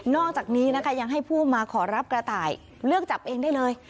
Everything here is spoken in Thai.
อกจากนี้นะคะยังให้ผู้มาขอรับกระต่ายเลือกจับเองได้เลย